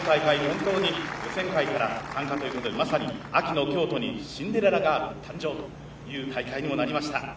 本当に予選会から参加ということで、まさに秋の京都にシンデレラガール誕生という大会にもなりました。